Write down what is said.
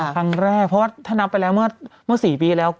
ครั้งแรกเพราะว่าถ้านับไปแล้วเมื่อ๔ปีแล้ว